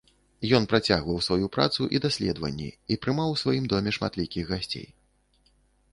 Ён працягваў сваю працу і даследаванні і прымаў у сваім доме шматлікіх гасцей.